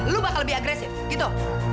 lu bakal lebih agresif gitu